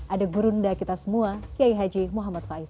ada gurunda kita semua kiai haji muhammad faiz